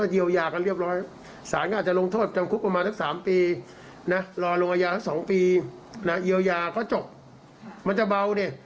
เอียวยาเขาจบมันจะเบานี่